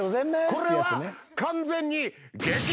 これは完全に。